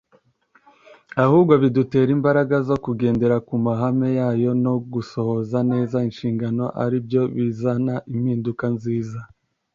ahubwo bidutera imbaraga zo kugendera ku mahame yayo no gusohoza neza inshingano ari byo bizana impinduka nziza